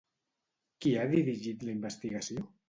Qui ha dirigit la investigació?